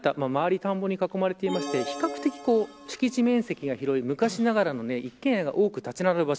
田んぼに囲まれていまして比較的、敷地面積が広い昔ながらの一軒家が多く建ち並ぶ場所。